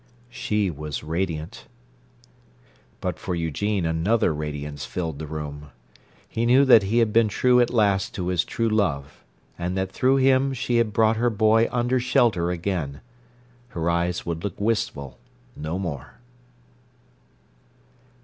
She was radiant. But for Eugene another radiance filled the room. He knew that he had been true at last to his true love, and that through him she had brought her boy under shelter again. Her eyes would look wistful no more.